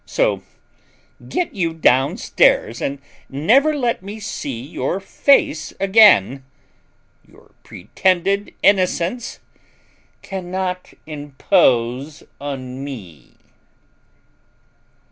So get you downstairs, and never let me see your face again; your pretended innocence cannot impose on me."